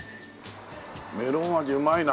メロン味うまいな。